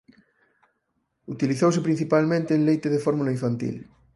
Utilizouse principalmente en leite de fórmula infantil.